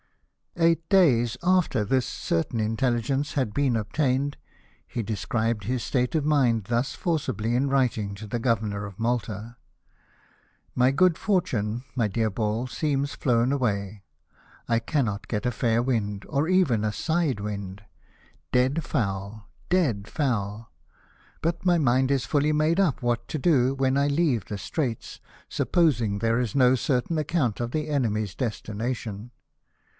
Eight days after this certain intelligence had been obtained, he describes his state of mind thus forcibly in ^vriting to the Governor of Malta: "My good fortune, my dear Ball, seems flown away. I cannot get a fair wind, or even a side wind. Dead foul !— Dead foul! — But my mind is fully made \v^ Avhat to do when I leave the Straits, supposing there is no certain account of the enemy's destination.